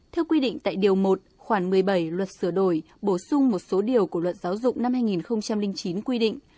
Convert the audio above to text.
theo quy định tại điều một khoản một mươi bảy luật sửa đổi bổ sung một số điều của luật giáo dục năm hai nghìn chín quy định